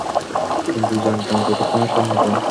কিন্তু জানতাম, ততক্ষণে সে মৃত।